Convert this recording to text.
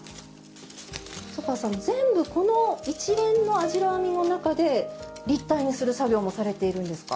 細川さん全部この一連の網代編みの中で立体にする作業もされているんですか？